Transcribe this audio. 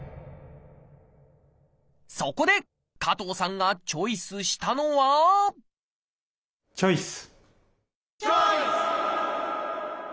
そこで加藤さんがチョイスしたのはチョイス！